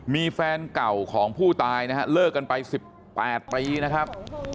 มีแฟนเก่าของผู้ตายนะฮะเลิกกันไป๑๘ปีนะครับ